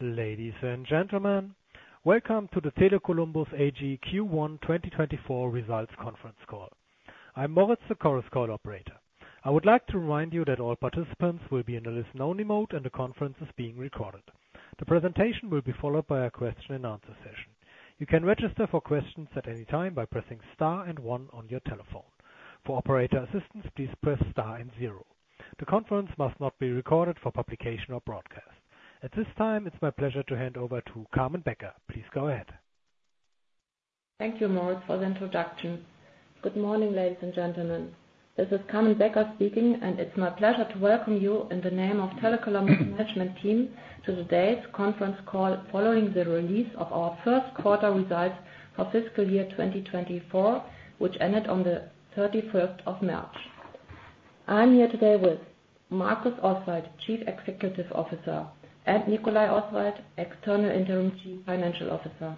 Ladies and gentlemen, welcome to the Tele Columbus AG Q1 2024 Results Conference Call. I'm Moritz, the Conference Call operator. I would like to remind you that all participants will be in a listen-only mode, and the conference is being recorded. The presentation will be followed by a question-and-answer session. You can register for questions at any time by pressing star and one on your telephone. For operator assistance, please press star and zero. The conference must not be recorded for publication or broadcast. At this time, it's my pleasure to hand over to Carmen Becker. Please go ahead. Thank you, Moritz, for the introduction. Good morning, ladies and gentlemen. This is Carmen Becker speaking, and it's my pleasure to welcome you in the name of Tele Columbus management team to today's conference call, following the release of our first quarter results for fiscal year 2024, which ended on the 31st of March. I'm here today with Markus Oswald, Chief Executive Officer, and Nicolai Oswald, External Interim Chief Financial Officer.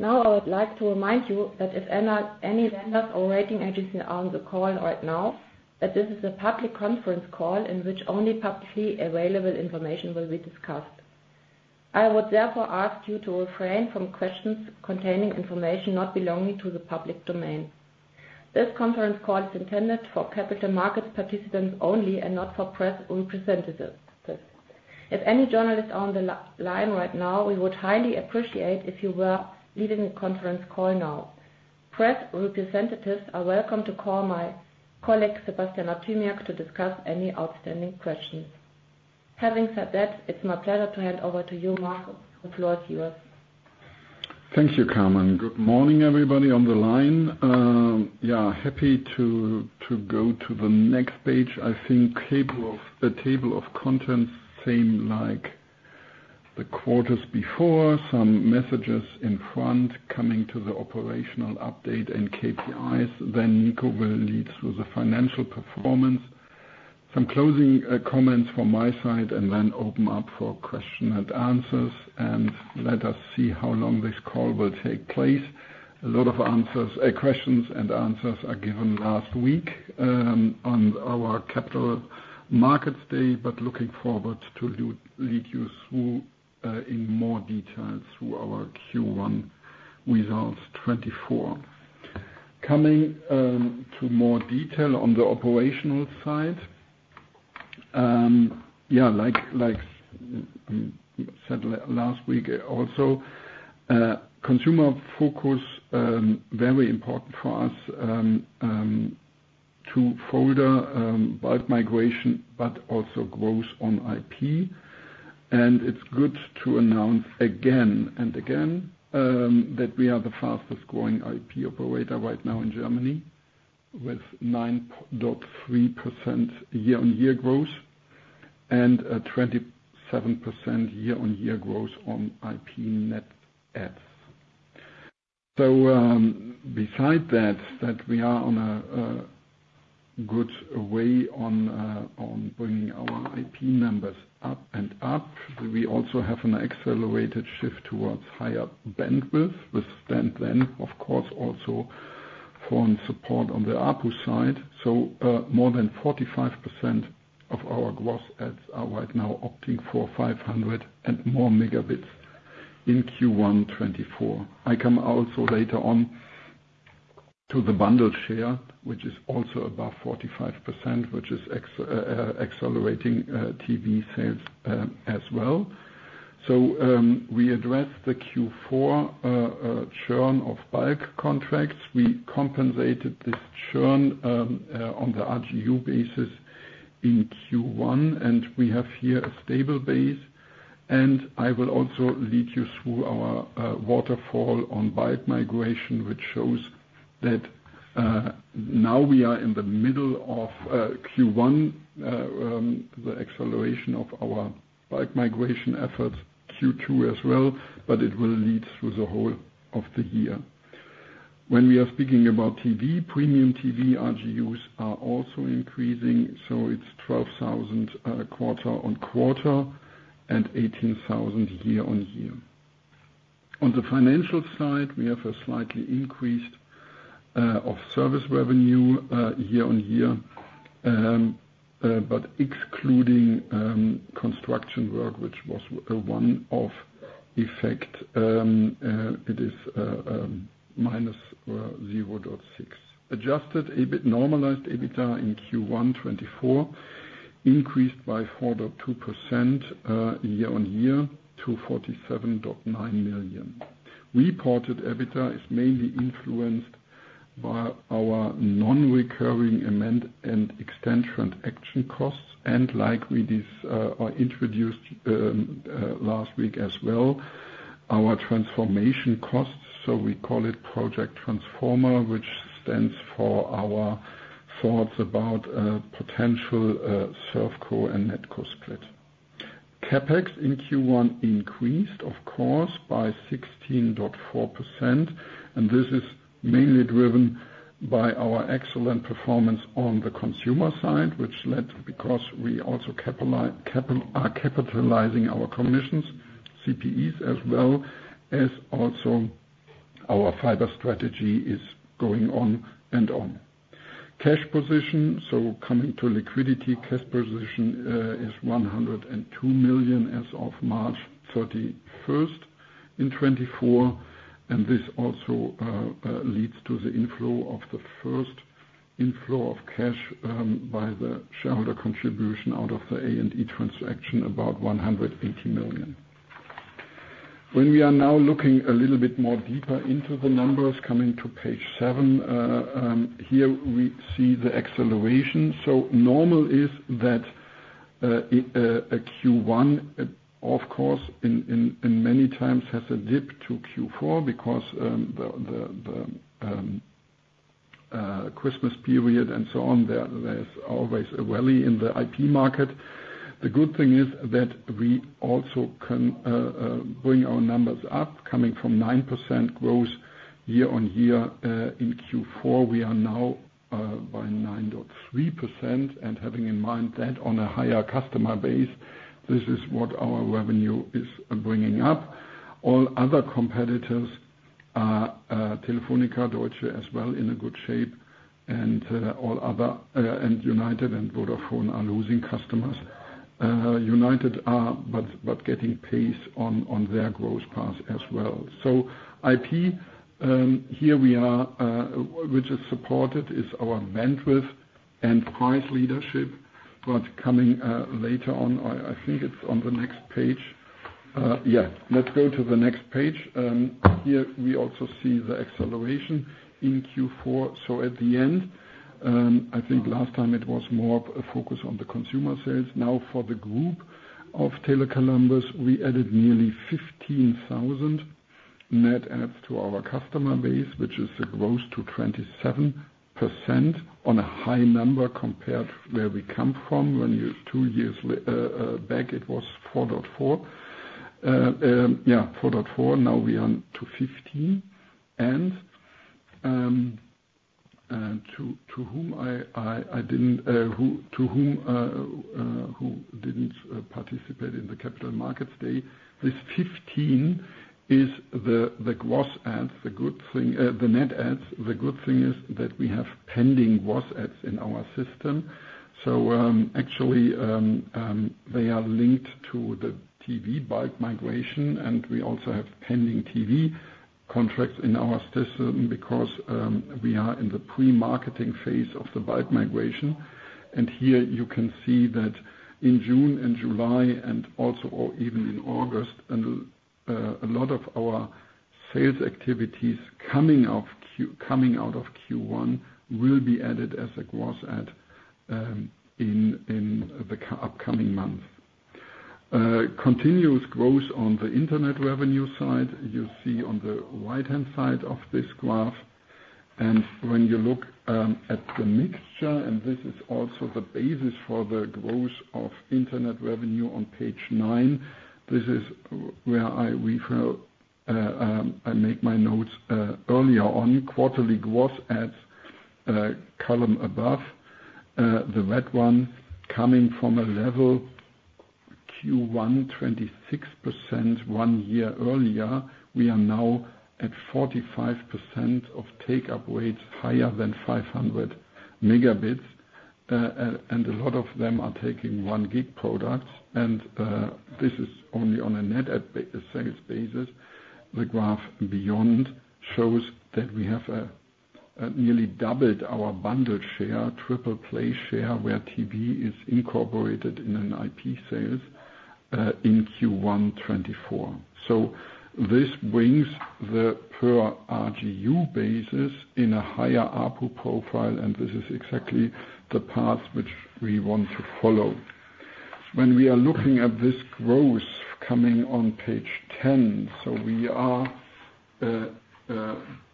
Now, I would like to remind you that if any lenders or rating agency are on the call right now, that this is a public conference call in which only publicly available information will be discussed. I would therefore ask you to refrain from questions containing information not belonging to the public domain. This conference call is intended for capital markets participants only and not for press representatives. If any journalists are on the line right now, we would highly appreciate if you were leaving the conference call now. Press representatives are welcome to call my colleague, Sebastian Artymiak, to discuss any outstanding questions. Having said that, it's my pleasure to hand over to you, Markus. The floor is yours. Thank you, Carmen. Good morning, everybody on the line. Yeah, happy to, to go to the next page. I think the table of contents, same like the quarters before. Some messages in front, coming to the operational update and KPIs. Then Nico will lead through the financial performance. Some closing comments from my side, and then open up for question and answers, and let us see how long this call will take place. A lot of answers, questions and answers are given last week on our Capital Markets Day, but looking forward to lead you through in more detail through our Q1 results 2024. Coming to more detail on the operational side. Yeah, like, said last week also, consumer focus very important for us, twofold, bulk migration, but also growth on IP. And it's good to announce again and again that we are the fastest growing IP operator right now in Germany, with 9.3% year-on-year growth and a 27% year-on-year growth on IP net adds. So, besides that, we are on a good way on bringing our IP numbers up and up, we also have an accelerated shift towards higher bandwidth, with and then, of course, also revenue support on the ARPU side. So, more than 45% of our gross adds are right now opting for 500+ Mbps in Q1 2024. I come also later on to the bundle share, which is also above 45%, which is ex accelerating TV sales as well. So, we addressed the Q4 churn of bulk contracts. We compensated this churn on the RGU basis in Q1, and we have here a stable base. And I will also lead you through our waterfall on bulk migration, which shows that now we are in the middle of Q1, the acceleration of our bulk migration efforts, Q2 as well, but it will lead through the whole of the year. When we are speaking about TV, premium TV RGUs are also increasing, so it's 12,000 quarter-on-quarter and 18,000 year-on-year. On the financial side, we have a slightly increased of service revenue year-on-year. But excluding construction work, which was a one-off effect, it is minus 0.6. Adjusted EBIT, normalized EBITDA in Q1 2024 increased by 4.2% year-on-year to 47.9 million. Reported EBITDA is mainly influenced by our non-recurring amend and extend transaction costs, and like we just introduced last week as well, our transformation costs, so we call it Project Transformer, which stands for our thoughts about a potential ServCo and NetCo split. CapEx in Q1 increased, of course, by 16.4%, and this is mainly driven by our excellent performance on the consumer side, which led because we also are capitalizing our commissions, CPEs, as well as also our fiber strategy is going on and on. Cash position, so coming to liquidity, cash position, is 102 million as of March 31, 2024, and this also leads to the inflow of the first inflow of cash by the shareholder contribution out of the A&E transaction, about 180 million. When we are now looking a little bit more deeper into the numbers, coming to page seven, here we see the acceleration. So normal is that a Q1, of course, many times has a dip to Q4 because the Christmas period and so on, there is always a valley in the IP market. The good thing is that we also can bring our numbers up, coming from 9% growth year-on-year. In Q4, we are now by 9.3%, and having in mind that on a higher customer base, this is what our revenue is bringing up. All other competitors are Telefónica, Deutsche as well, in a good shape, and all other and United and Vodafone are losing customers. United are but getting pace on their growth path as well. So IP here we are, which is supported, is our bandwidth and price leadership. But coming later on, I think it's on the next page. Yeah, let's go to the next page. Here we also see the acceleration in Q4. So at the end, I think last time it was more a focus on the consumer sales. Now, for the group of Tele Columbus, we added nearly 15,000 net adds to our customer base, which is a growth to 27% on a high number compared where we come from. When you two years back, it was 4.4. 4.4, now we are to 15. And to whom who didn't participate in the capital markets day, this 15 is the gross adds, the good thing the net adds. The good thing is that we have pending gross adds in our system, so, actually, they are linked to the TV bulk migration, and we also have pending TV contracts in our system because we are in the pre-marketing phase of the bulk migration. And here, you can see that in June and July, and also or even in August, and a lot of our sales activities coming out of Q1 will be added as a gross add in the upcoming month. Continuous growth on the internet revenue side, you see on the right-hand side of this graph. And when you look at the mixture, and this is also the basis for the growth of internet revenue on page 9, this is where I make my notes earlier on. Quarterly gross adds, column above, the red one, coming from a level Q1, 26% one year earlier, we are now at 45% of take-up rates higher than 500 megabits. And a lot of them are taking 1 gig products, and this is only on a net add sales basis. The graph beyond shows that we have nearly doubled our bundle share, triple play share, where TV is incorporated in an IP sales, in Q1 2024. So this brings the per RGU basis in a higher ARPU profile, and this is exactly the path which we want to follow. When we are looking at this growth coming on page 10, so we are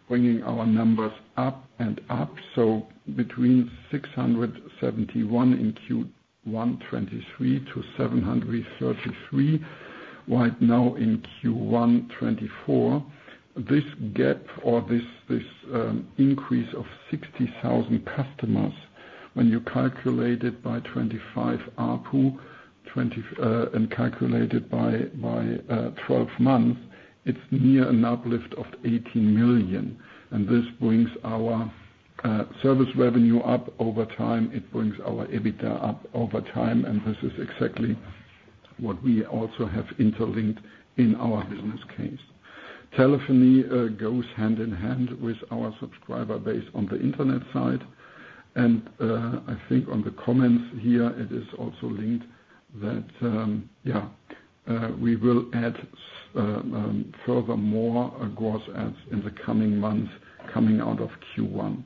bringing our numbers up and up. So between 671 in Q1 2023 to 733, right now in Q1 2024. This gap or this increase of 60,000 customers, when you calculate it by 25 ARPU, 20, and calculate it by 12 months, it's near an uplift of 18 million. This brings our service revenue up over time. It brings our EBITDA up over time, and this is exactly what we also have interlinked in our business case. Telephony goes hand in hand with our subscriber base on the internet side, and I think on the comments here, it is also linked that we will add further more gross adds in the coming months, coming out of Q1.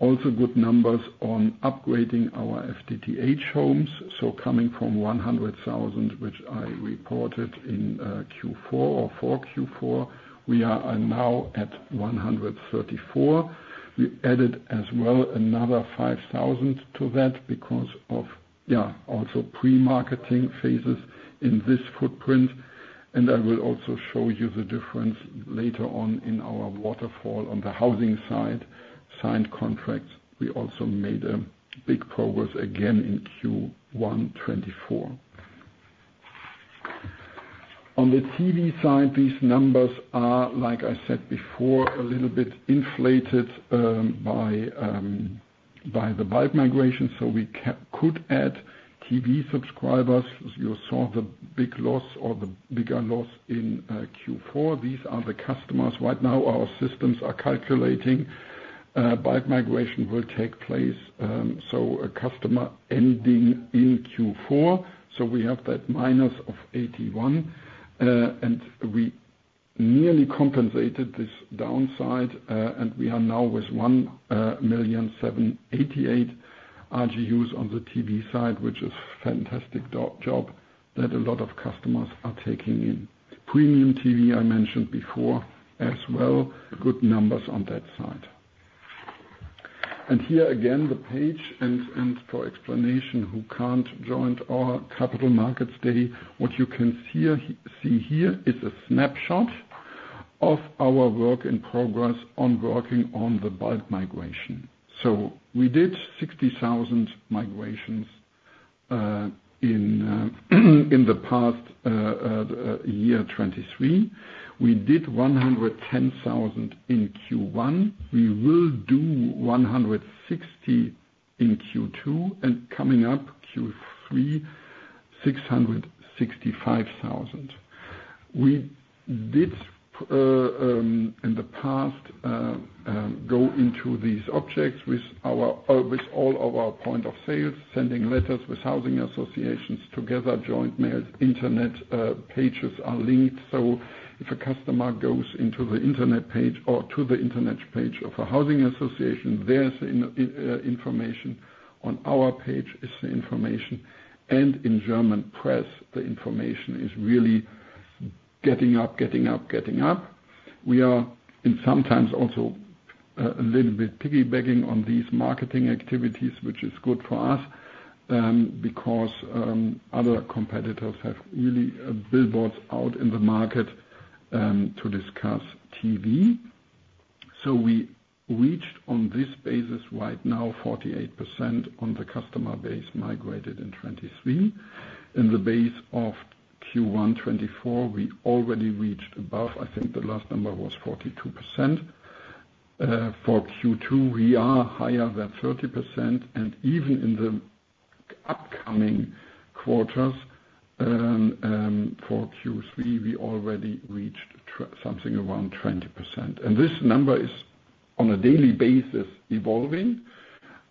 Also, good numbers on upgrading our FTTH homes, so coming from 100,000, which I reported in Q4 or for Q4, we are now at 134. We added as well another 5,000 to that because of, yeah, also pre-marketing phases in this footprint. And I will also show you the difference later on in our waterfall on the housing side. Signed contracts, we also made a big progress again in Q1 2024. On the TV side, these numbers are, like I said before, a little bit inflated by the bulk migration, so we could add TV subscribers. As you saw, the big loss or the bigger loss in Q4, these are the customers. Right now, our systems are calculating, bulk migration will take place, so a customer ending in Q4, so we have that minus of 81. and we nearly compensated this downside, and we are now with 1.788 million RGUs on the TV side, which is fantastic good job that a lot of customers are taking in. Premium TV, I mentioned before, as well, good numbers on that side. And here again, the page, and for explanation, who can't join our capital markets day, what you can see see here is a snapshot of our work in progress on working on the bulk migration. So we did 60,000 migrations in the past year 2023. We did 110,000 in Q1. We will do 160 in Q2, and coming up, Q3, 665,000. We did, in the past, go into these objects with all of our points of sale, sending letters with housing associations together, joint mails, internet pages are linked. So if a customer goes into the internet page or to the internet page of a housing association, there's information. On our page is the information, and in German press, the information is really getting up, getting up, getting up. We are, and sometimes also, a little bit piggybacking on these marketing activities, which is good for us, because other competitors have really billboards out in the market to discuss TV. So we reached on this basis right now, 48% on the customer base migrated in 2023. In the base of Q1 2024, we already reached above, I think the last number was 42%. For Q2, we are higher than 30%, and even in the upcoming quarters, for Q3, we already reached something around 20%. And this number is, on a daily basis, evolving.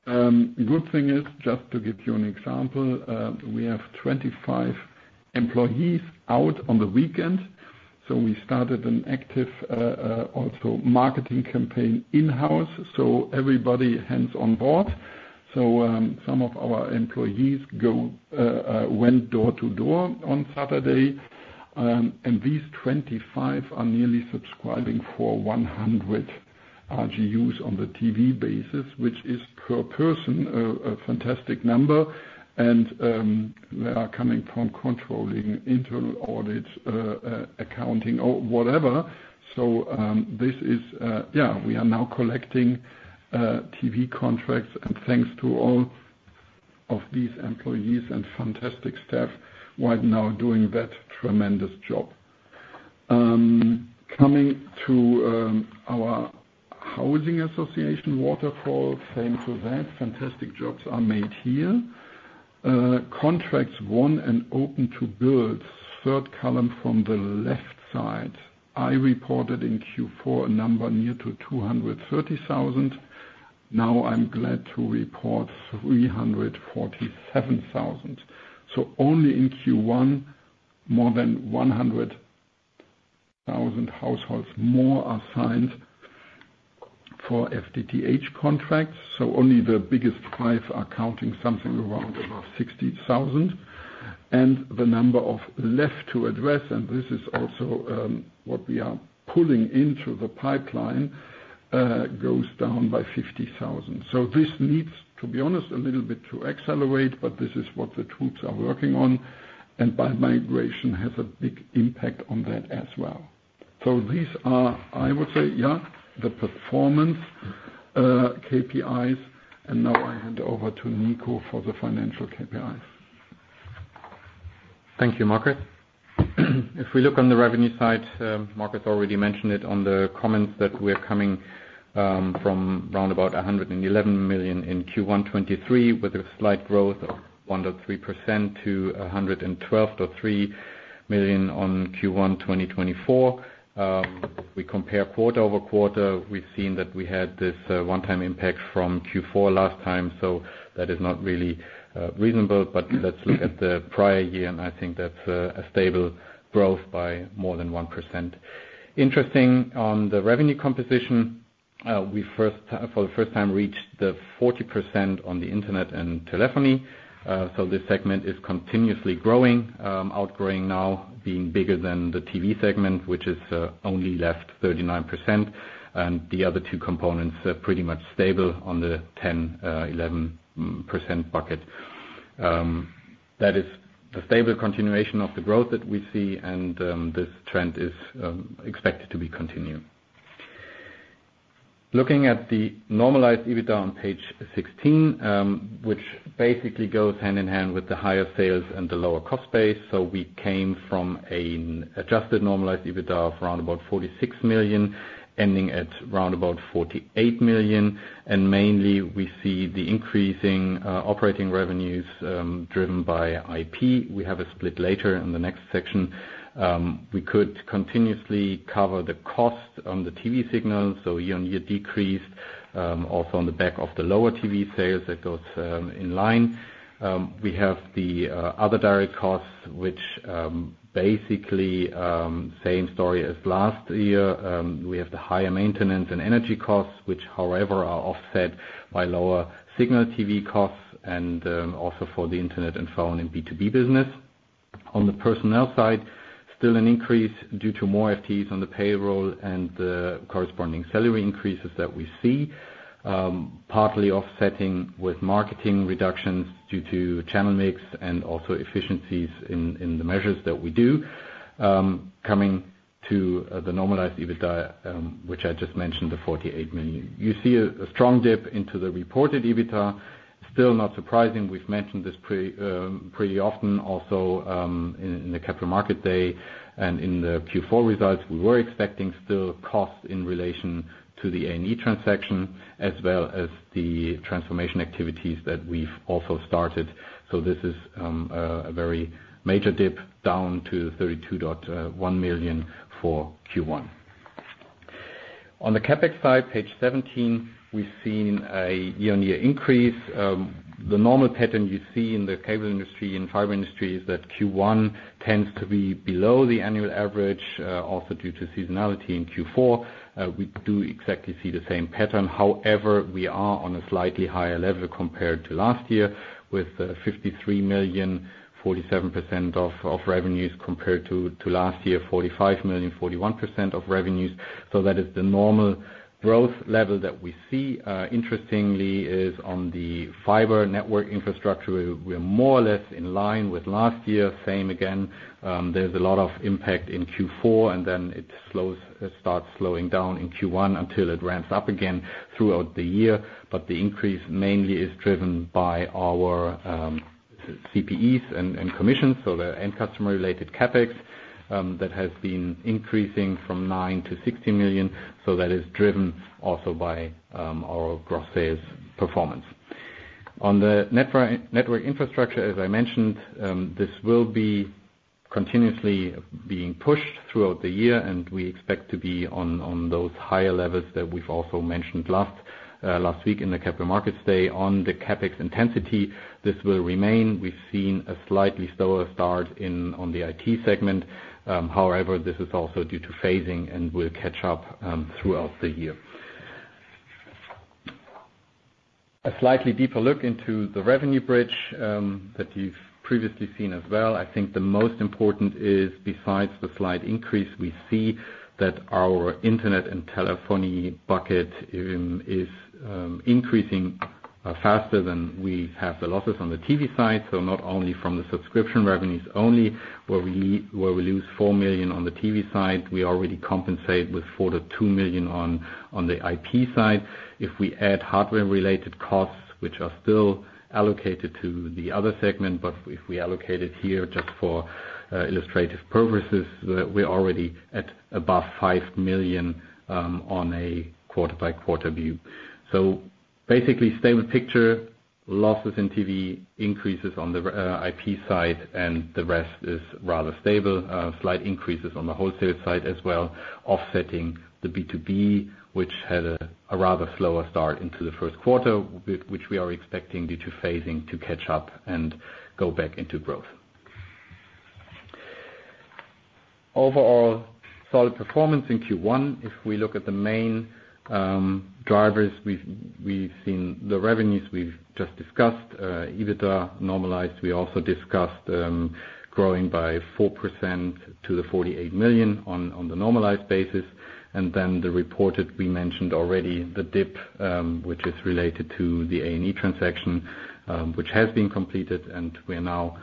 Good thing is, just to give you an example, we have 25 employees out on the weekend, so we started an active, also marketing campaign in-house, so everybody hands on board. So, some of our employees go, went door to door on Saturday, and these 25 are nearly subscribing for 100 RGUS on the TV basis, which is, per person, a fantastic number, and, they are coming from controlling internal audits, accounting or whatever. So, this is, we are now collecting TV contracts, and thanks to all of these employees and fantastic staff right now doing that tremendous job. Coming to our housing association waterfall, same to that, fantastic jobs are made here. Contracts won and open to build, third column from the left side. I reported in Q4 a number near to 230,000. Now, I'm glad to report 347,000. So only in Q1, more than 100,000 households more are signed for FTTH contracts, so only the biggest five are counting something around about 60,000. And the number left to address, and this is also what we are pulling into the pipeline, goes down by 50,000. So this needs, to be honest, a little bit to accelerate, but this is what the troops are working on, and bulk migration has a big impact on that as well. So these are, I would say, yeah, the performance KPIs, and now I hand over to Nico for the financial KPIs. Thank you, Markus. If we look on the revenue side, Markus already mentioned it on the comments that we're coming from round about 111 million in Q1 2023, with a slight growth of 1.3% to 112.3 million in Q1 2024. We compare quarter-over-quarter, we've seen that we had this one-time impact from Q4 last time, so that is not really reasonable. But let's look at the prior year, and I think that's a stable growth by more than 1%. Interesting, on the revenue composition, we first for the first time reached the 40% on the internet and telephony. So this segment is continuously growing, outgrowing now, being bigger than the TV segment, which is only left 39%, and the other two components are pretty much stable on the 10, 11% bucket. That is a stable continuation of the growth that we see, and this trend is expected to be continued. Looking at the normalized EBITDA on page 16, which basically goes hand in hand with the higher sales and the lower cost base. So we came from an adjusted normalized EBITDA of around about 46 million, ending at around about 48 million. And mainly, we see the increasing operating revenues driven by IP. We have a split later in the next section. We could continuously cover the cost on the TV signal, so year-on-year decrease, also on the back of the lower TV sales, that goes in line. We have the other direct costs, which basically same story as last year. We have the higher maintenance and energy costs, which, however, are offset by lower signal TV costs and also for the internet and phone in B2B business. On the personnel side, still an increase due to more FTEs on the payroll and the corresponding salary increases that we see, partly offsetting with marketing reductions due to channel mix and also efficiencies in the measures that we do. Coming to the normalized EBITDA, which I just mentioned, the 48 million. You see a strong dip into the reported EBITDA. Still not surprising. We've mentioned this previously pretty often also, in the capital market day and in the Q4 results. We were expecting still costs in relation to the A&E transaction, as well as the transformation activities that we've also started. So this is a very major dip down to 32.1 million for Q1. On the CapEx side, page 17, we've seen a year-on-year increase. The normal pattern you see in the cable industry, in fiber industry, is that Q1 tends to be below the annual average, also due to seasonality in Q4. We do exactly see the same pattern. However, we are on a slightly higher level compared to last year, with 53 million, 47% of revenues, compared to last year, 45 million, 41% of revenues. So that is the normal growth level that we see. Interestingly, is on the fiber network infrastructure, we're more or less in line with last year. Same again, there's a lot of impact in Q4, and then it starts slowing down in Q1 until it ramps up again throughout the year. But the increase mainly is driven by our CPEs and commissions, so the end customer related CapEx that has been increasing from 9 million to 60 million. So that is driven also by our gross sales performance. On the network infrastructure, as I mentioned, this will be continuously being pushed throughout the year, and we expect to be on those higher levels that we've also mentioned last week in the capital markets day. On the CapEx intensity, this will remain. We've seen a slightly slower start in on the IT segment. However, this is also due to phasing and will catch up throughout the year. A slightly deeper look into the revenue bridge that you've previously seen as well. I think the most important is, besides the slight increase, we see that our internet and telephony bucket is increasing faster than we have the losses on the TV side. So not only from the subscription revenues only, where we, where we lose 4 million on the TV side, we already compensate with 4.2 million on the IP side. If we add hardware-related costs, which are still allocated to the other segment, but if we allocate it here just for illustrative purposes, we're already at above 5 million on a quarter-by-quarter view. So basically, stable picture, losses in TV, increases on the IP side, and the rest is rather stable. Slight increases on the wholesale side as well, offsetting the B2B, which had a rather slower start into the first quarter, which we are expecting, due to phasing, to catch up and go back into growth. Overall, solid performance in Q1. If we look at the main drivers, we've seen the revenues we've just discussed. EBITDA normalized, we also discussed, growing by 4% to 48 million on the normalized basis. And then the reported, we mentioned already, the dip, which is related to the A&E transaction, which has been completed. And we are now,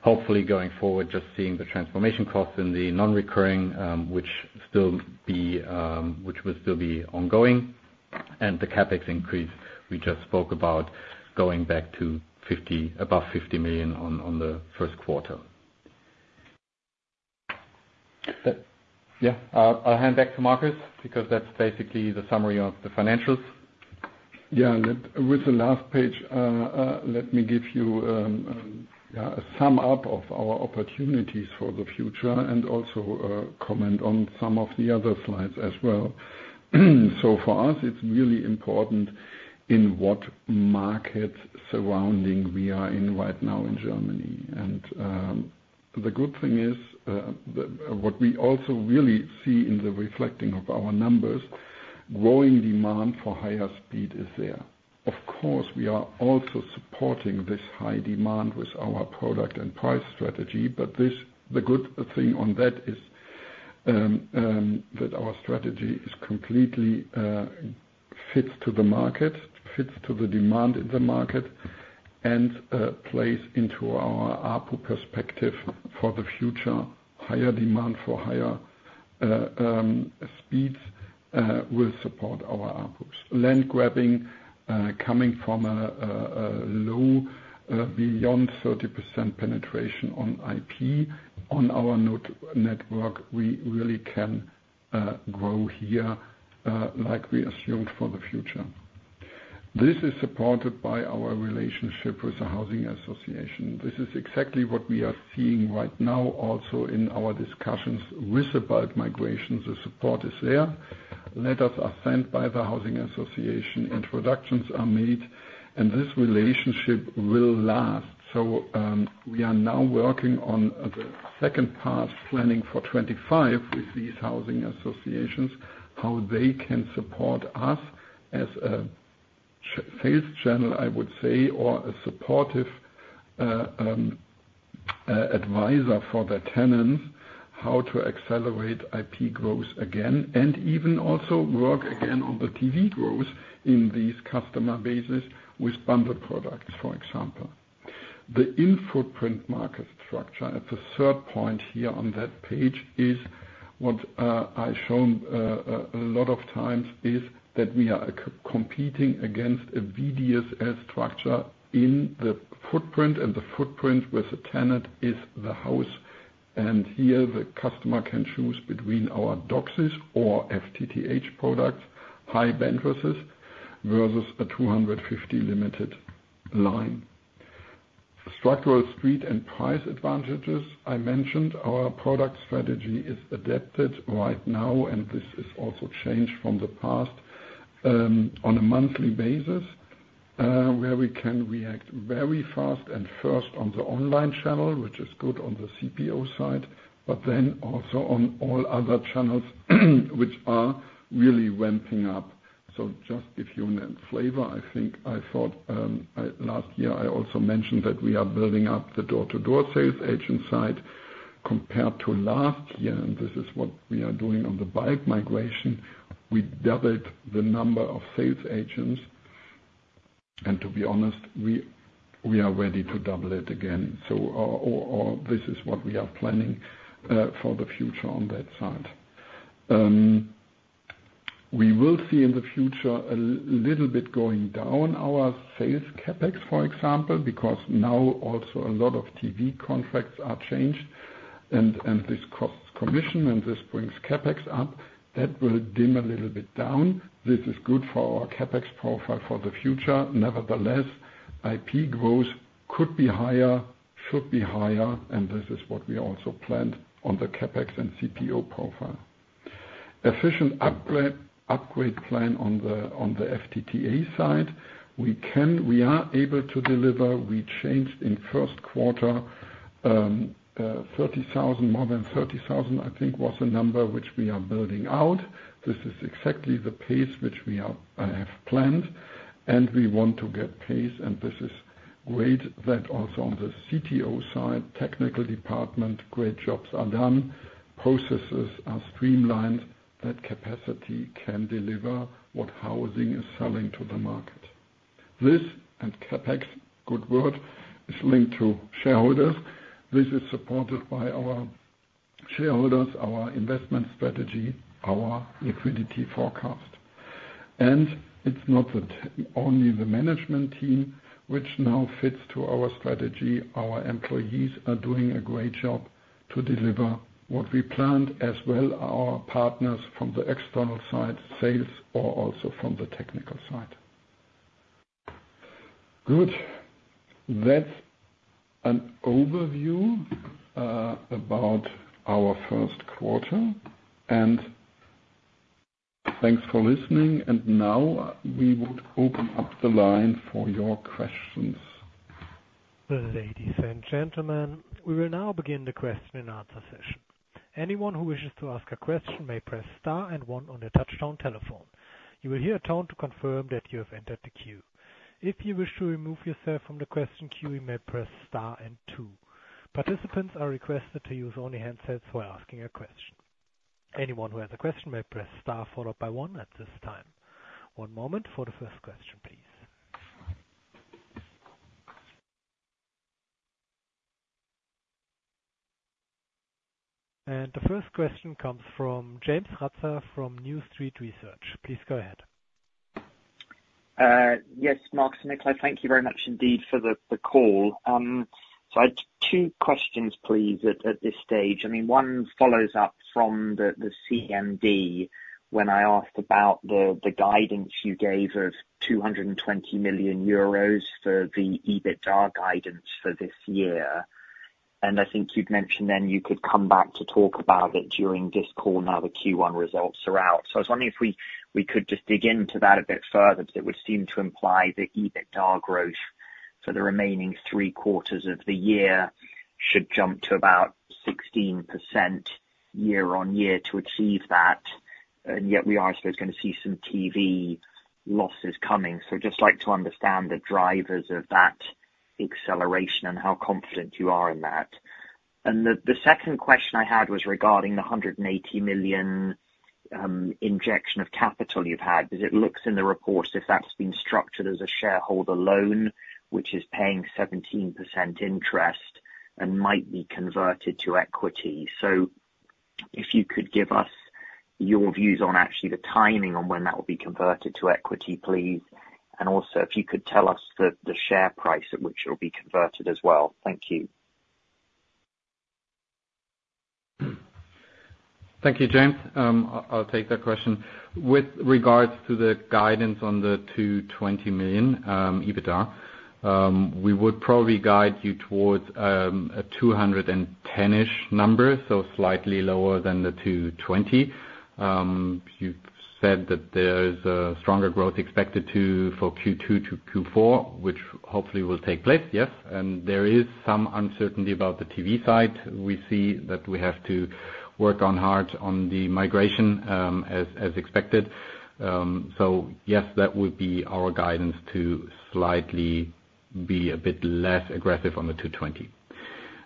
hopefully, going forward, just seeing the transformation costs in the non-recurring, which will still be ongoing. The CapEx increase, we just spoke about going back to above 50 million in the first quarter. Yeah, I'll, I'll hand back to Markus, because that's basically the summary of the financials. Yeah, and with the last page, let me give you, yeah, a sum up of our opportunities for the future and also comment on some of the other slides as well. So for us, it's really important in what market surrounding we are in right now in Germany. And the good thing is, what we also really see in the reflecting of our numbers, growing demand for higher speed is there. Of course, we are also supporting this high demand with our product and price strategy, but this the good thing on that is, that our strategy is completely fits to the market, fits to the demand in the market... and plays into our ARPU perspective for the future. Higher demand for higher speeds will support our ARPUs. Land grabbing, coming from a low, beyond 30% penetration on IP. On our node network, we really can grow here, like we assumed for the future. This is supported by our relationship with the housing association. This is exactly what we are seeing right now, also in our discussions with about migrations. The support is there. Letters are sent by the housing association, introductions are made, and this relationship will last. So, we are now working on the second part, planning for 2025 with these housing associations, how they can support us as a sales channel, I would say, or a supportive advisor for the tenants, how to accelerate IP growth again, and even also work again on the TV growth in these customer bases with bundled products, for example. The footprint market structure, at the third point here on that page, is what I've shown a lot of times, is that we are co-competing against a VDSL structure in the footprint, and the footprint with the tenant is the house. And here, the customer can choose between our DOCSIS or FTTH products, high bandwidth versus a 250 limited line. Structural speed and price advantages, I mentioned our product strategy is adapted right now, and this is also changed from the past, on a monthly basis, where we can react very fast and first on the online channel, which is good on the CPO side, but then also on all other channels, which are really ramping up. So just to give you a flavor, I think last year I also mentioned that we are building up the door-to-door sales agent side. Compared to last year, and this is what we are doing on the bulk migration, we doubled the number of sales agents, and to be honest, we are ready to double it again. So this is what we are planning for the future on that side. We will see in the future a little bit going down our sales CapEx, for example, because now also a lot of TV contracts are changed, and this costs commission, and this brings CapEx up. That will diminish a little bit down. This is good for our CapEx profile for the future. Nevertheless, IP growth could be higher, should be higher, and this is what we also planned on the CapEx and CPO profile. Efficient upgrade, upgrade plan on the, on the FTTH side, we can, we are able to deliver. We changed in first quarter, thirty thousand, more than 30,000, I think, was the number which we are building out. This is exactly the pace which we are, have planned, and we want to get pace, and this is great that also on the CTO side, technical department, great jobs are done, processes are streamlined, that capacity can deliver what housing is selling to the market. This and CapEx, good word, is linked to shareholders. This is supported by our shareholders, our investment strategy, our liquidity forecast. It's not that only the management team which now fits to our strategy, our employees are doing a great job to deliver what we planned, as well our partners from the external side, sales, or also from the technical side. Good. That's an overview about our first quarter, and thanks for listening. Now, we would open up the line for your questions. Ladies and gentlemen, we will now begin the question and answer session. Anyone who wishes to ask a question may press star and one on your touchtone telephone. You will hear a tone to confirm that you have entered the queue. If you wish to remove yourself from the question queue, you may press star and two. Participants are requested to use only handsets for asking a question. Anyone who has a question may press star, followed by one at this time. One moment for the first question, please. The first question comes from James Ratzer from New Street Research. Please go ahead. Yes, Markus and Nicolai, thank you very much indeed for the call. So I have two questions, please, at this stage. I mean, one follows up from the CMD, when I asked about the guidance you gave of 220 million euros for the EBITDA guidance for this year. And I think you'd mentioned then you could come back to talk about it during this call, now the Q1 results are out. So I was wondering if we could just dig into that a bit further, because it would seem to imply the EBITDA growth for the remaining three quarters of the year should jump to about 16% year-on-year to achieve that. And yet we are, I suppose, going to see some TV losses coming. So just like to understand the drivers of that acceleration and how confident you are in that. And the second question I had was regarding the 180 million injection of capital you've had. Because it looks in the report, if that's been structured as a shareholder loan, which is paying 17% interest and might be converted to equity. So if you could give us your views on actually the timing on when that will be converted to equity, please. And also, if you could tell us the share price at which it'll be converted as well. Thank you. Thank you, James. I'll take that question. With regards to the guidance on the 220 million EBITDA, we would probably guide you towards a 210-ish number, so slightly lower than the 220. You've said that there is a stronger growth expected for Q2 to Q4, which hopefully will take place, yes. And there is some uncertainty about the TV side. We see that we have to work hard on the migration, as expected. So yes, that would be our guidance to slightly be a bit less aggressive on the 220.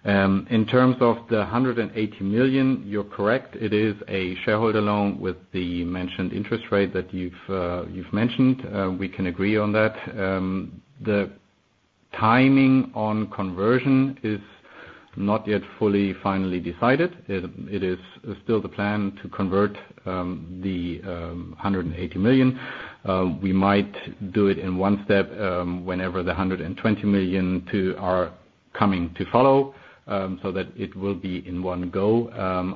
In terms of the 180 million, you're correct. It is a shareholder loan with the mentioned interest rate that you've mentioned. We can agree on that. The timing on conversion is not yet fully, finally decided. It is still the plan to convert the 180 million. We might do it in one step whenever the 120 million are coming to follow, so that it will be in one go.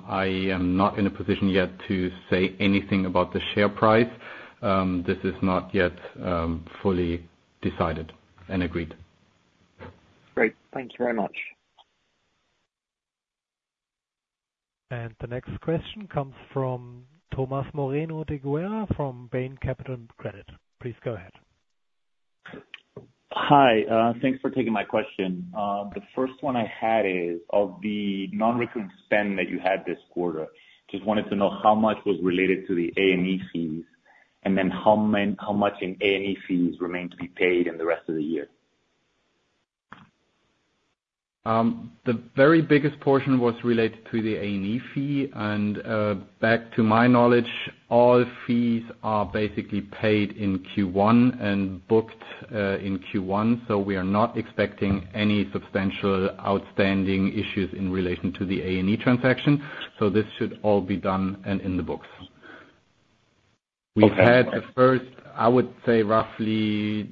I am not in a position yet to say anything about the share price. This is not yet fully decided and agreed. Great. Thank you very much. The next question comes from Tomas Moreno de Guerra from Bain Capital Credit. Please go ahead. Hi, thanks for taking my question. The first one I had is, of the non-recurring spend that you had this quarter, just wanted to know how much was related to the A&E fees, and then how much in A&E fees remain to be paid in the rest of the year? The very biggest portion was related to the A&E fee, and back to my knowledge, all fees are basically paid in Q1 and booked in Q1. So we are not expecting any substantial outstanding issues in relation to the A&E transaction. So this should all be done and in the books. Okay. We had at first, I would say, roughly,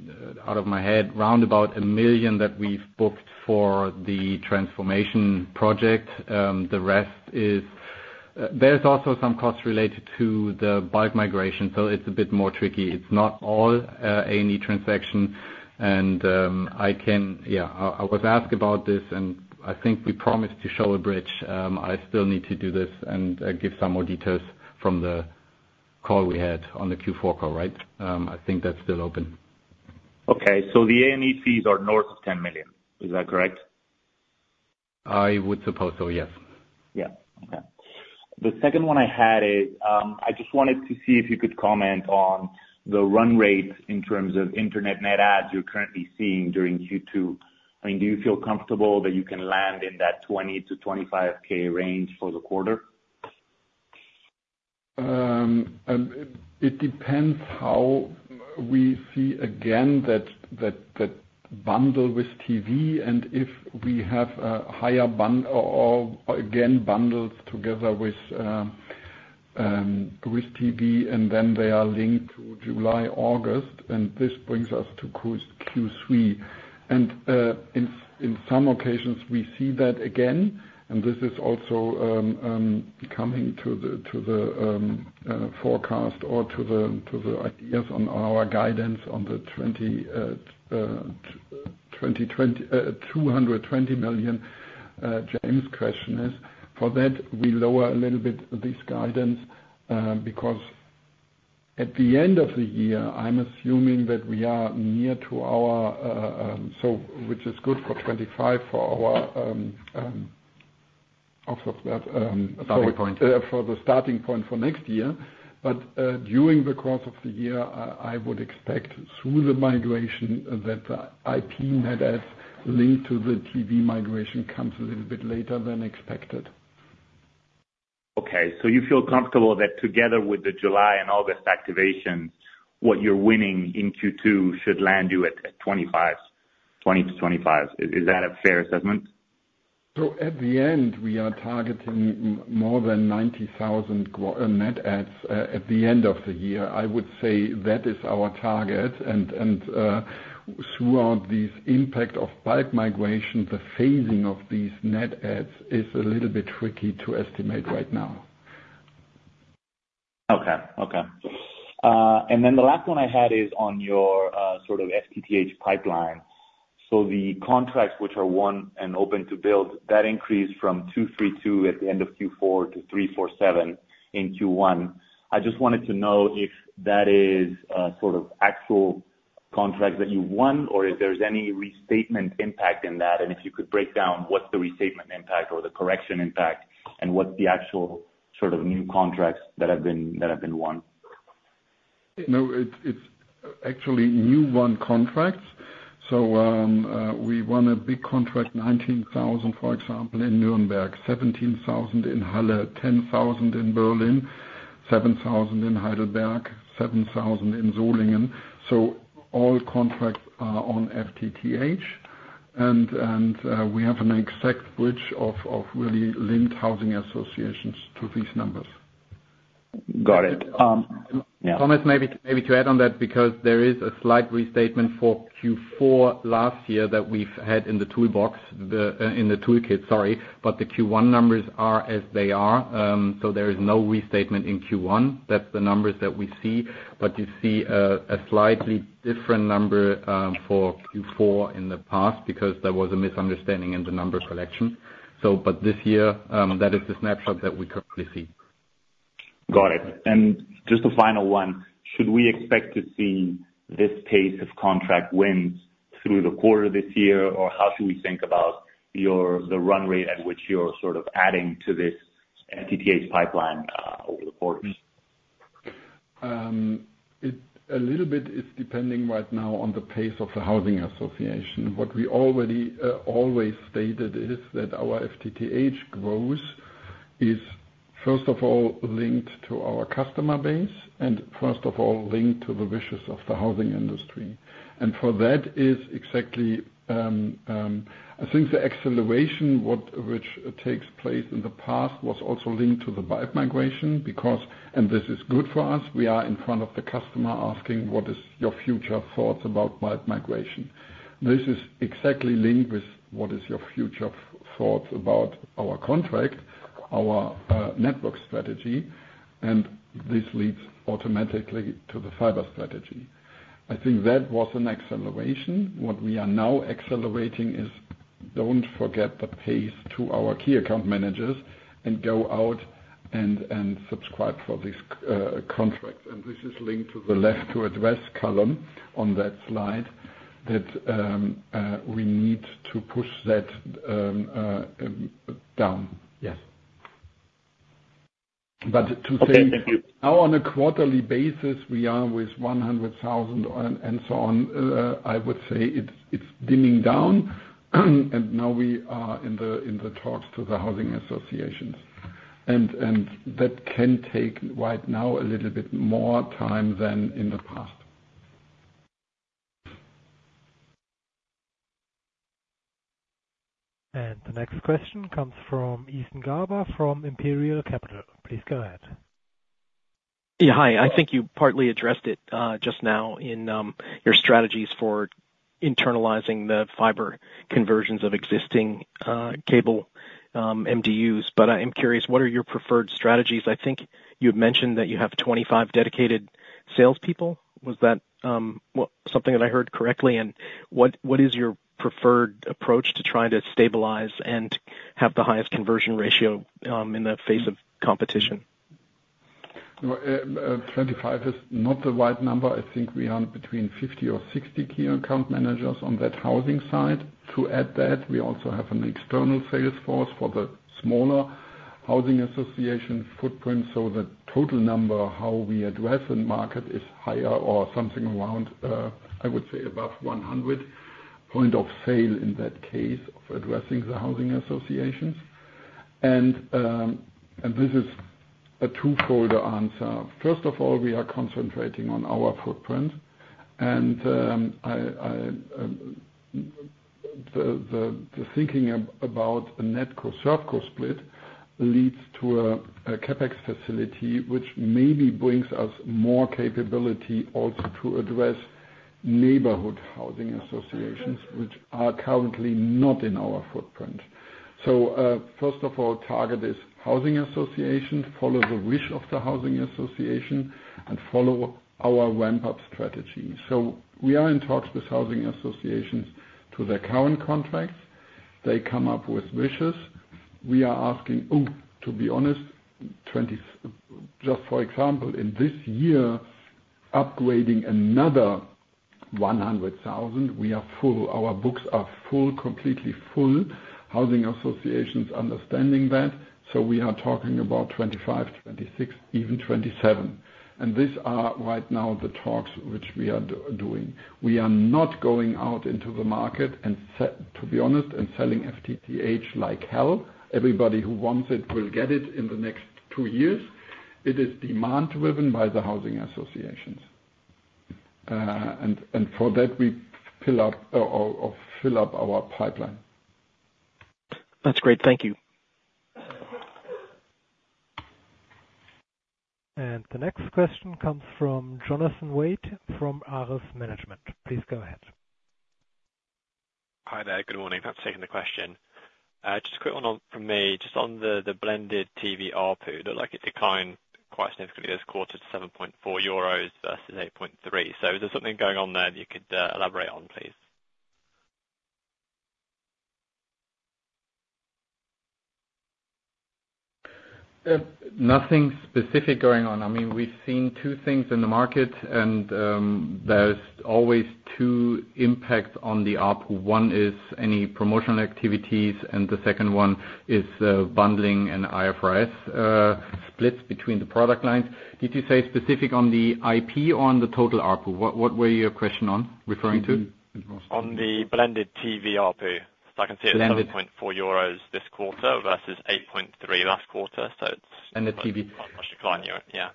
out of my head, round about 1 million that we've booked for the transformation project. The rest is. There's also some costs related to the bulk migration, so it's a bit more tricky. It's not all A&E transaction, and I can... Yeah, I was asked about this, and I think we promised to show a bridge. I still need to do this and give some more details from the call we had on the Q4 call, right? I think that's still open. Okay, so the A&E fees are north of 10 million. Is that correct? I would suppose so, yes. Yeah. Okay. The second one I had is, I just wanted to see if you could comment on the run rates in terms of internet net adds you're currently seeing during Q2. I mean, do you feel comfortable that you can land in that 20-25K range for the quarter? It depends how we see again that bundle with TV, and if we have a higher bundle or bundled together with TV, and then they are linked to July, August, and this brings us to Q3. In some occasions, we see that again, and this is also coming to the forecast or to the yes, on our guidance on the 220 million. James' question is, for that, we lower a little bit this guidance, because at the end of the year, I'm assuming that we are near to our so which is good for 2025 for our off of that. Starting point. for the starting point for next year. But, during the course of the year, I would expect through the migration, that the IP net add linked to the TV migration comes a little bit later than expected. Okay, so you feel comfortable that together with the July and August activation, what you're winning in Q2 should land you at 25, 20-25. Is that a fair assessment? So at the end, we are targeting more than 90,000 net adds at the end of the year. I would say that is our target, and throughout this impact of bulk migration, the phasing of these net adds is a little bit tricky to estimate right now. Okay. Okay. And then the last one I had is on your sort of FTTH pipeline. So the contracts which are won and open to build, that increased from 232 at the end of Q4 to 347 in Q1. I just wanted to know if that is sort of actual contracts that you won, or if there's any restatement impact in that, and if you could break down what's the restatement impact or the correction impact, and what's the actual sort of new contracts that have been, that have been won?... No, it's actually newly won contracts. So, we won a big contract, 19,000, for example, in Nuremberg, 17,000 in Halle, 10,000 in Berlin, 7,000 in Heidelberg, 7,000 in Solingen. So all contracts are on FTTH, and we have an exact bridge of really linked housing associations to these numbers. Got it. Yeah. Thomas, maybe, maybe to add on that, because there is a slight restatement for Q4 last year that we've had in the toolbox, the, in the toolkit, sorry, but the Q1 numbers are as they are. So there is no restatement in Q1. That's the numbers that we see. But you see, a slightly different number, for Q4 in the past, because there was a misunderstanding in the number collection. So, but this year, that is the snapshot that we currently see. Got it. And just a final one: Should we expect to see this pace of contract wins through the quarter this year? Or how should we think about your, the run rate at which you're sort of adding to this FTTH pipeline over the quarters? A little bit is depending right now on the pace of the housing association. What we already always stated is that our FTTH growth is, first of all, linked to our customer base, and first of all, linked to the wishes of the housing industry. And for that is exactly, I think the acceleration which takes place in the past, was also linked to the bulk migration, because, and this is good for us, we are in front of the customer asking: "What is your future thoughts about bulk migration?" This is exactly linked with, what is your future thoughts about our contract, our network strategy, and this leads automatically to the fiber strategy. I think that was an acceleration. What we are now accelerating is, don't forget the pace to our key account managers, and go out and, and subscribe for this contract. And this is linked to the left, to address column on that slide, that we need to push that down. Yes. But to say- Okay, thank you. Now, on a quarterly basis, we are with 100,000 and so on. I would say it's dimming down, and now we are in the talks to the housing associations. And that can take, right now, a little bit more time than in the past. The next question comes from Ethan Garber, from Imperial Capital. Please go ahead. Yeah, hi. I think you partly addressed it, just now in, your strategies for internalizing the fiber conversions of existing, cable, MDUs. But I am curious, what are your preferred strategies? I think you had mentioned that you have 25 dedicated salespeople. Was that, well, something that I heard correctly? And what, what is your preferred approach to trying to stabilize and have the highest conversion ratio, in the face of competition? Well, 25 is not the right number. I think we are between 50 or 60 key account managers on that housing side. To add that, we also have an external sales force for the smaller housing association footprint, so the total number, how we address the market, is higher or something around, I would say above 100 points of sale in that case of addressing the housing associations. And this is a two-fold answer. First of all, we are concentrating on our footprint, and the thinking about a NetCo, ServCo split leads to a CapEx facility, which maybe brings us more capability also to address neighborhood housing associations, which are currently not in our footprint. So, first of all, target is housing associations, follow the wish of the housing association, and follow our ramp-up strategy. So we are in talks with housing associations to their current contracts. They come up with wishes. We are asking, oh, to be honest, just for example, in this year, upgrading another 100,000, we are full. Our books are full, completely full. Housing associations understanding that, so we are talking about 25, 26, even 27. And these are, right now, the talks which we are doing. We are not going out into the market, and to be honest, and selling FTTH like hell. Everybody who wants it will get it in the next two years. It is demand driven by the housing associations. And for that, we fill up our pipeline. That's great. Thank you. The next question comes from Jonathan Wade, from Ares Management. Please go ahead. Hi there. Good morning. Thanks for taking the question. Just a quick one on, from me, just on the, the blended TV ARPU. It looked like it declined quite significantly this quarter to 7.4 euros versus 8.3. So is there something going on there that you could elaborate on, please? ... Nothing specific going on. I mean, we've seen two things in the market, and there's always two impacts on the ARPU. One is any promotional activities, and the second one is bundling and IFRS splits between the product lines. Did you say specific on the IP or on the total ARPU? What were your question on referring to? On the blended TV ARPU. So I can see it's 7.4 euros this quarter versus 8.3 last quarter, so it's- And the TV- Much decline year. Yeah.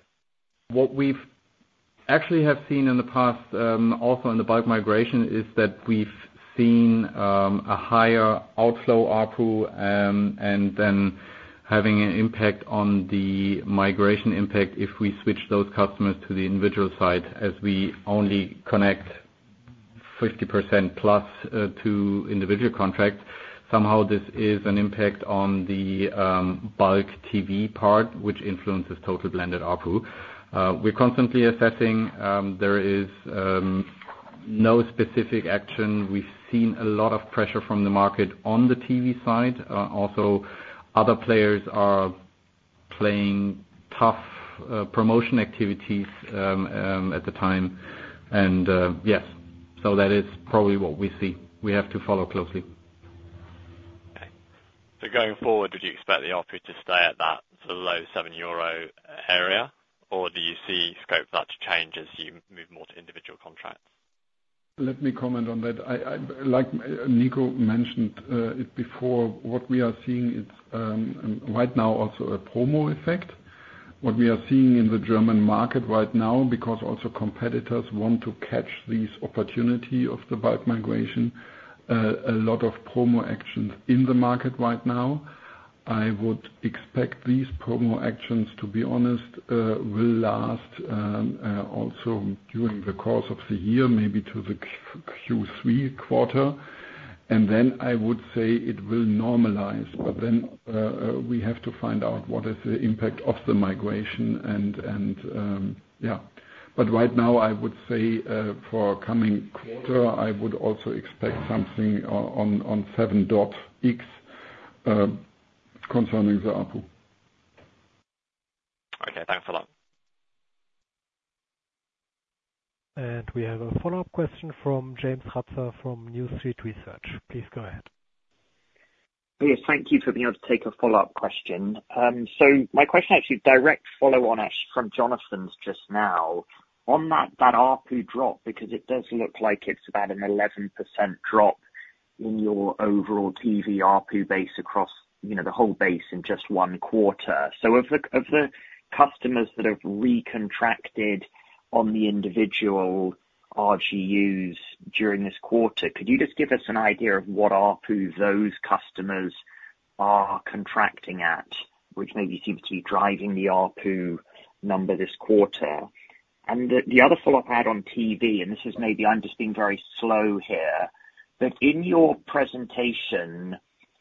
What we've actually have seen in the past, also in the bulk migration, is that we've seen a higher outflow ARPU, and then having an impact on the migration impact if we switch those customers to the individual side, as we only connect 50% plus to individual contracts. Somehow, this is an impact on the bulk TV part, which influences total blended ARPU. We're constantly assessing, there is no specific action. We've seen a lot of pressure from the market on the TV side. Also, other players are playing tough promotion activities at the time, and yes, so that is probably what we see. We have to follow closely. Okay. Going forward, would you expect the ARPU to stay at that sort of low 7 euro area, or do you see scope for that to change as you move more to individual contracts? Let me comment on that. Like Nico mentioned it before, what we are seeing is right now also a promo effect. What we are seeing in the German market right now, because also competitors want to catch this opportunity of the bulk migration, a lot of promo actions in the market right now. I would expect these promo actions, to be honest, will last also during the course of the year, maybe to the Q3 quarter, and then I would say it will normalize. But then we have to find out what is the impact of the migration and yeah. But right now, I would say for coming quarter, I would also expect something on 7.X concerning the ARPU. Okay, thanks a lot. We have a follow-up question from James Ratzer from New Street Research. Please go ahead. Yes, thank you for being able to take a follow-up question. So my question actually direct follow on from Jonathan's just now. On that, that ARPU drop, because it does look like it's about an 11% drop in your overall TV ARPU base across, you know, the whole base in just one quarter. So of the customers that have recontracted on the individual RGUs during this quarter, could you just give us an idea of what ARPU those customers are contracting at, which maybe seems to be driving the ARPU number this quarter? The other follow-up I had on TV, and this is maybe I'm just being very slow here, but in your presentation,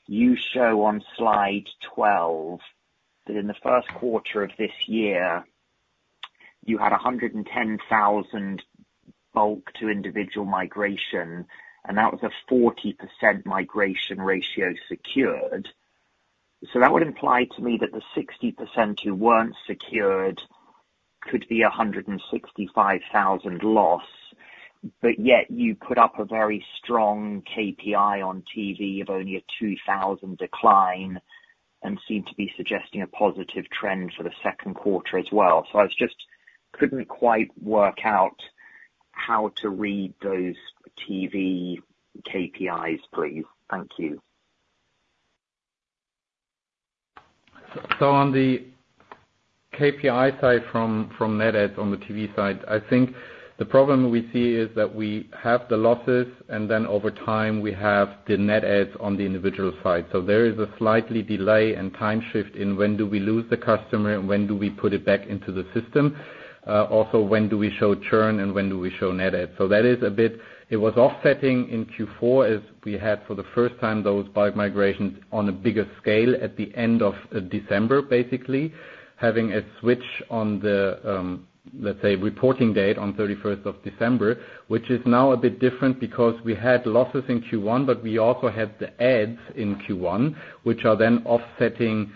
you show on slide 12 that in the first quarter of this year, you had 110,000 bulk to individual migration, and that was a 40% migration ratio secured. So that would imply to me that the 60% who weren't secured could be a 165,000 loss, but yet you put up a very strong KPI on TV of only a 2,000 decline and seem to be suggesting a positive trend for the second quarter as well. So I was just couldn't quite work out how to read those TV KPIs, please. Thank you. So on the KPI side, from net adds on the TV side, I think the problem we see is that we have the losses, and then over time, we have the net adds on the individual side. So there is a slightly delay and time shift in when do we lose the customer, and when do we put it back into the system? Also, when do we show churn, and when do we show net adds? So that is a bit. It was offsetting in Q4, as we had, for the first time, those bulk migrations on a bigger scale at the end of December, basically, having a switch on the, let's say, reporting date on thirty-first of December, which is now a bit different because we had losses in Q1, but we also had the adds in Q1, which are then offsetting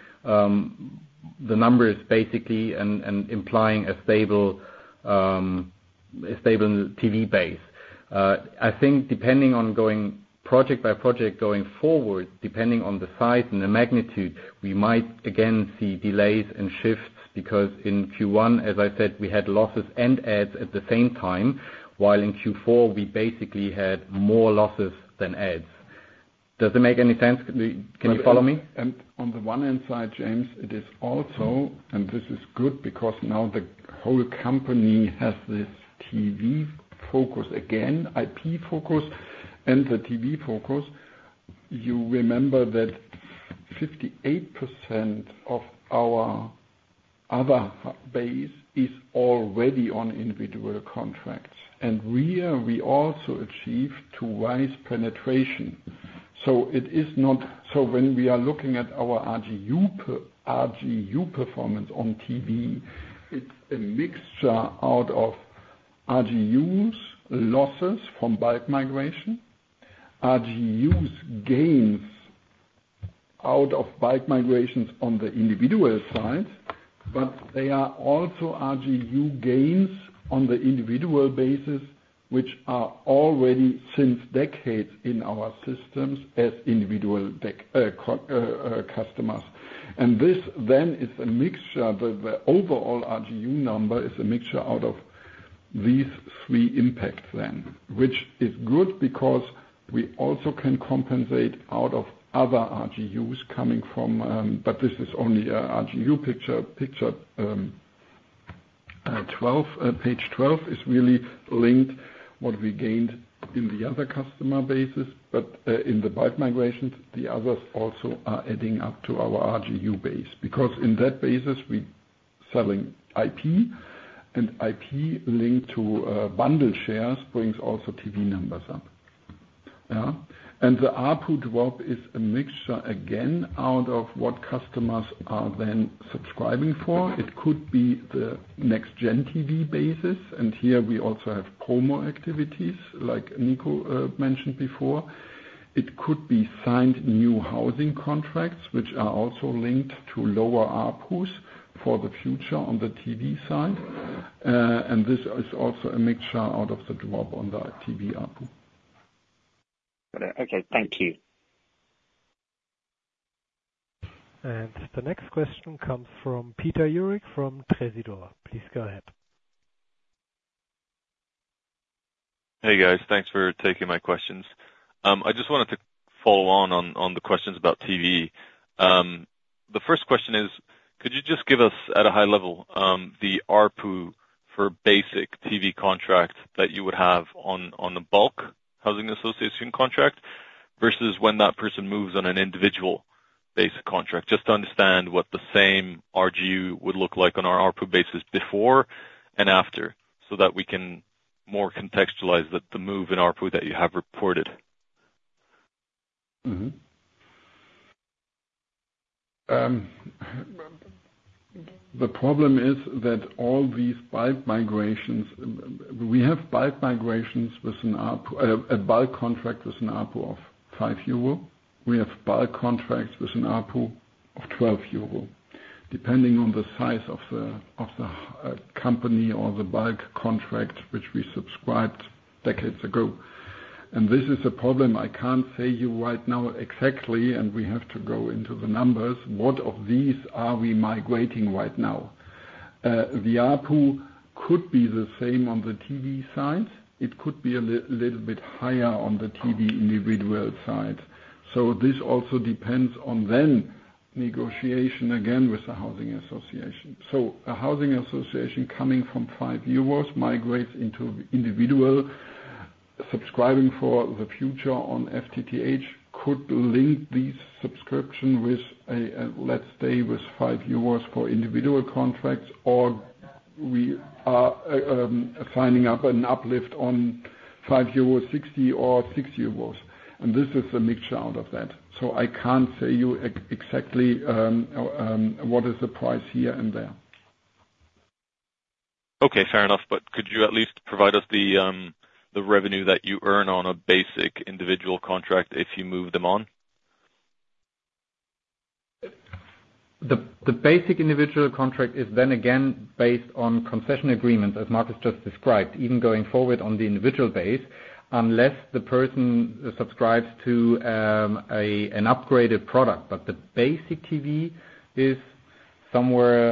the numbers, basically, and, and implying a stable, a stable TV base. I think depending on going project by project, going forward, depending on the size and the magnitude, we might again see delays and shifts, because in Q1, as I said, we had losses and adds at the same time, while in Q4, we basically had more losses than adds. Does it make any sense? Can you, can you follow me? On the one hand side, James, it is also, and this is good because now the whole company has this TV focus again, IP focus and the TV focus. You remember that 58% of our other base is already on individual contracts, and we also achieve to rise penetration. So it is not. So when we are looking at our RGU performance on TV, it's a mixture out of RGUs, losses from bulk migration, RGU gains out of bulk migrations on the individual side, but they are also RGU gains on the individual basis, which are already since decades in our systems as individual customers. And this then is a mixture, the overall RGU number is a mixture out of these three impacts then. Which is good, because we also can compensate out of other RGUs coming from, but this is only a RGU picture. Picture twelve, page 12 is really linked what we gained in the other customer bases. But, in the bulk migrations, the others also are adding up to our RGU base. Because in that basis, we selling IP, and IP linked to, bundle shares, brings also TV numbers up. Yeah. And the ARPU drop is a mixture, again, out of what customers are then subscribing for. It could be the Next Gen TV basis, and here we also have promo activities, like Nico mentioned before. It could be signed new housing contracts, which are also linked to lower ARPUs for the future on the TV side. And this is also a mixture out of the drop on the TV ARPU. Okay, thank you. The next question comes from Peter Jurik from Tresidor. Please go ahead. Hey, guys. Thanks for taking my questions. I just wanted to follow on the questions about TV. The first question is: Could you just give us, at a high level, the ARPU for basic TV contract that you would have on the bulk housing association contract, versus when that person moves on an individual basic contract? Just to understand what the same RGU would look like on our ARPU basis before and after, so that we can more contextualize the move in ARPU that you have reported. Mm-hmm. The problem is that all these bulk migrations, we have bulk migrations with an ARPU, a bulk contract with an ARPU of 5 euro. We have bulk contracts with an ARPU of 12 euro, depending on the size of the, of the, company or the bulk contract, which we subscribed decades ago. And this is a problem I can't say you right now exactly, and we have to go into the numbers, what of these are we migrating right now? The ARPU could be the same on the TV side. It could be a little bit higher on the TV individual side. So this also depends on then negotiation again with the housing association. So a housing association coming from 5 euros migrates into individual subscribing for the future on FTTH, could link this subscription with a, let's say, with 5 euros for individual contracts, or we are signing up an uplift on 5.60 euros or 6 euros. And this is a mixture out of that. So I can't tell you exactly what is the price here and there. Okay, fair enough. But could you at least provide us the revenue that you earn on a basic individual contract if you move them on? The basic individual contract is then again based on concession agreement, as Markus just described, even going forward on the individual base, unless the person subscribes to an upgraded product. But the basic TV is somewhere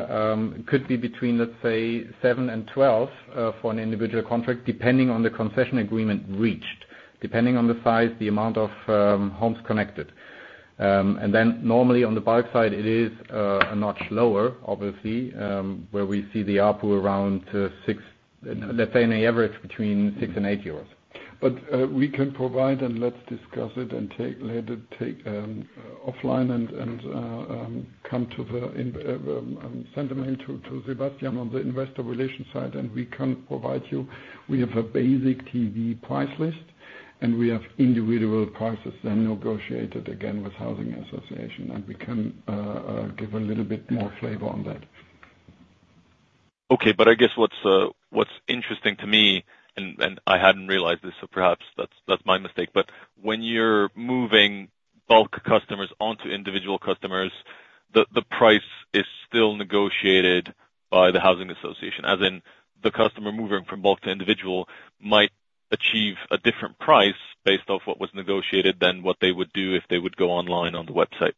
could be between, let's say, 7-12 for an individual contract, depending on the concession agreement reached, depending on the size, the amount of homes connected. And then normally on the bulk side, it is a notch lower, obviously, where we see the ARPU around six, let's say on average between 6-8 euros. But we can provide. Let's discuss it and take it offline, and send them to Sebastian on the investor relations side, and we can provide you. We have a basic TV price list, and we have individual prices then negotiated again with housing association, and we can give a little bit more flavor on that. Okay, but I guess what's interesting to me, and I hadn't realized this, so perhaps that's my mistake, but when you're moving bulk customers onto individual customers, the price is still negotiated by the housing association, as in the customer moving from bulk to individual might achieve a different price based off what was negotiated than what they would do if they would go online on the website.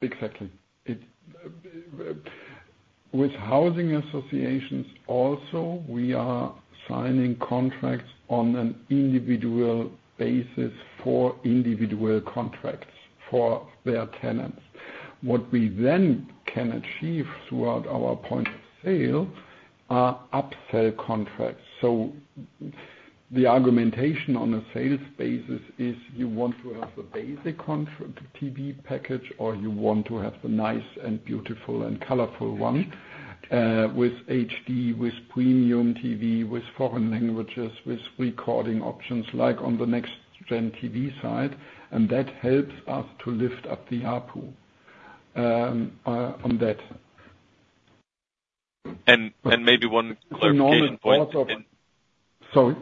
Exactly. It, with housing associations, also, we are signing contracts on an individual basis for individual contracts for their tenants. What we then can achieve throughout our point of sale are upsell contracts. So the argumentation on a sales basis is you want to have the basic con-TV package, or you want to have the nice and beautiful and colorful one, with HD, with Premium TV, with foreign languages, with recording options like on the Next Gen TV side, and that helps us to lift up the ARPU on that.... And maybe one clarification point- Sorry?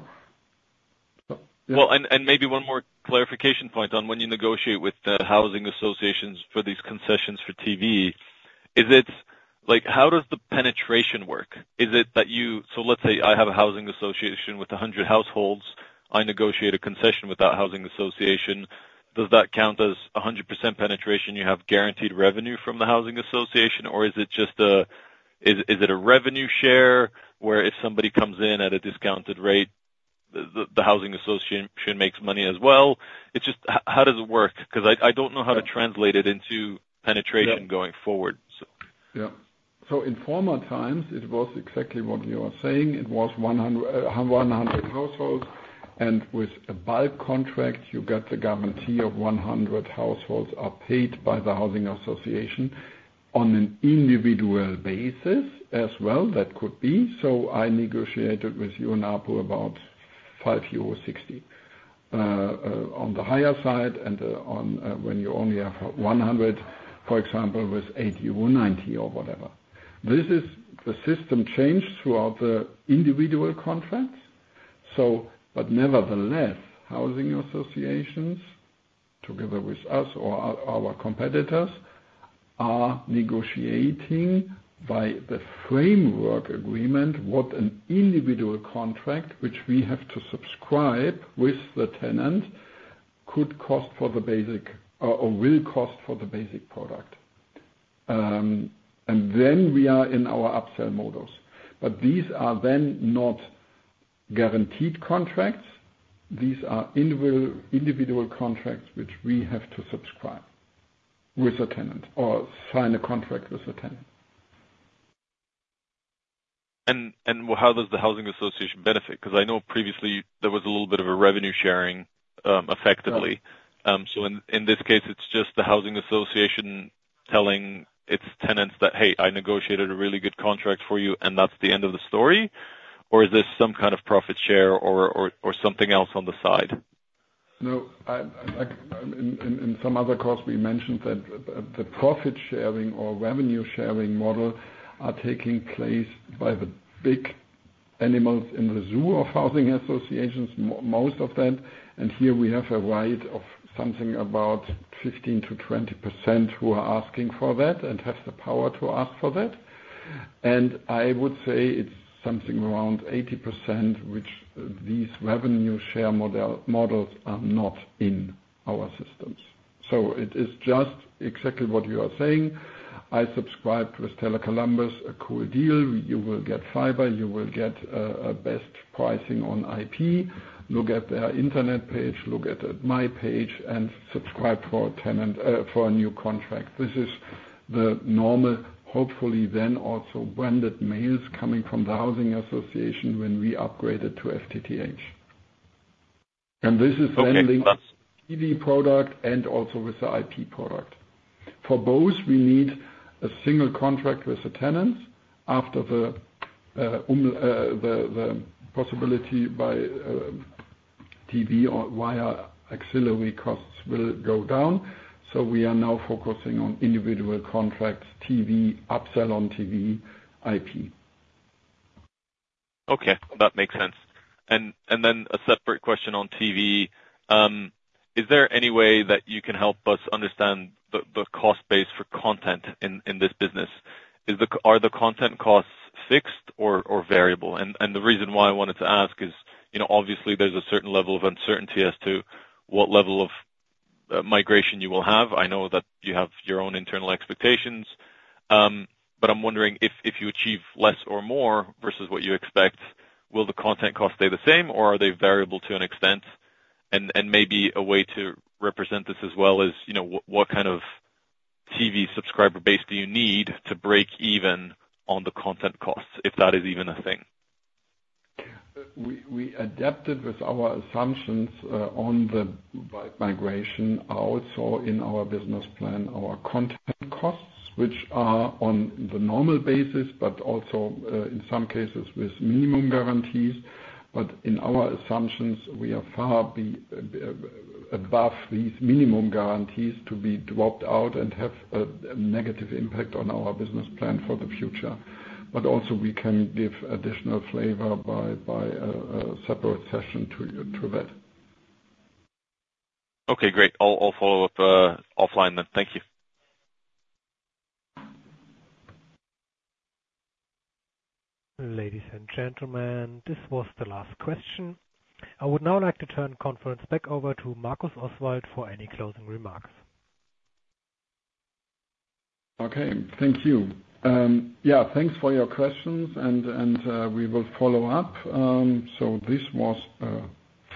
Well, and maybe one more clarification point on when you negotiate with the housing associations for these concessions for TV, is it—like, how does the penetration work? Is it that you... So let's say I have a housing association with 100 households. I negotiate a concession with that housing association. Does that count as 100% penetration, you have guaranteed revenue from the housing association? Or is it just a, is it a revenue share, where if somebody comes in at a discounted rate, the housing association makes money as well? It's just how does it work? 'Cause I don't know how to translate it into penetration- Yeah. Going forward, so. Yeah. So in former times, it was exactly what you are saying. It was 100 households, and with a bulk contract, you got the guarantee of 100 households are paid by the housing association on an individual basis as well, that could be. So I negotiated with you on ARPU about 5.60 euro on the higher side, and on when you only have 100, for example, with 8.90 or whatever. This is the system change throughout the individual contracts. So, but nevertheless, housing associations, together with us or our competitors, are negotiating by the framework agreement what an individual contract, which we have to subscribe with the tenant, could cost for the basic or will cost for the basic product. And then we are in our upsell models. But these are then not guaranteed contracts. These are individual contracts which we have to subscribe with the tenant or sign a contract with the tenant. Well, how does the housing association benefit? 'Cause I know previously there was a little bit of a revenue sharing, effectively. Yeah. So in this case, it's just the housing association telling its tenants that, "Hey, I negotiated a really good contract for you," and that's the end of the story? Or is this some kind of profit share or something else on the side? No, in some other calls, we mentioned that the profit sharing or revenue sharing model are taking place by the big animals in the zoo of housing associations, most of them. And here we have a wide of something about 15%-20% who are asking for that and have the power to ask for that. And I would say it's something around 80%, which these revenue share models are not in our systems. So it is just exactly what you are saying. I subscribed with Tele Columbus, a cool deal. You will get fiber, you will get a best pricing on IP. Look at their internet page, look at my page, and subscribe for a tenant for a new contract. This is the normal, hopefully then also branded mails coming from the housing association when we upgrade it to FTTH. And this is then- Okay. TV product and also with the IP product. For both, we need a single contract with the tenants after the possibility by TV or via auxiliary costs will go down. So we are now focusing on individual contracts, TV, upsell on TV, IP. Okay, that makes sense. And then a separate question on TV. Is there any way that you can help us understand the cost base for content in this business? Are the content costs fixed or variable? And the reason why I wanted to ask is, you know, obviously there's a certain level of uncertainty as to what level of migration you will have. I know that you have your own internal expectations, but I'm wondering if you achieve less or more versus what you expect, will the content cost stay the same, or are they variable to an extent? And maybe a way to represent this as well is, you know, what kind of TV subscriber base do you need to break even on the content costs, if that is even a thing? We adapted with our assumptions on the migration also in our business plan, our content costs, which are on the normal basis, but also in some cases with minimum guarantees. But in our assumptions, we are far above these minimum guarantees to be dropped out and have a negative impact on our business plan for the future. But also, we can give additional flavor by a separate session to you to that. Okay, great. I'll follow up offline then. Thank you. Ladies and gentlemen, this was the last question. I would now like to turn the conference back over to Markus Oswald for any closing remarks. Okay, thank you. Yeah, thanks for your questions, and we will follow up. So this was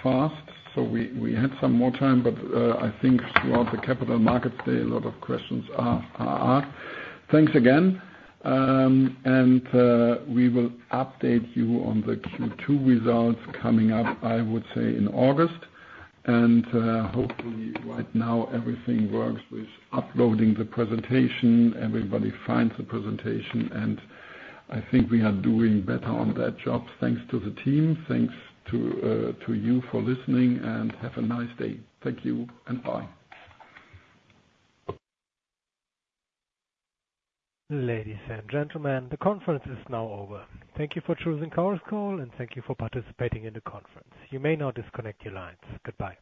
fast, so we had some more time, but I think throughout the capital market today, a lot of questions are asked. Thanks again, and we will update you on the Q2 results coming up, I would say, in August, and hopefully right now, everything works with uploading the presentation. Everybody finds the presentation, and I think we are doing better on that job. Thanks to the team, thanks to you for listening, and have a nice day. Thank you, and bye. Ladies and gentlemen, the conference is now over. Thank you for choosing Chorus Call, and thank you for participating in the conference. You may now disconnect your lines. Goodbye.